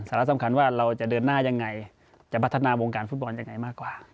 สาระสำคัญว่าเราจะเดินหน้ายังไงจะพัฒนาวงการฟุตบอลยังไงมากกว่า